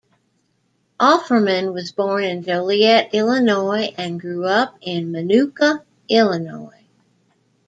Offerman was born in Joliet, Illinois and grew up in Minooka, Illinois.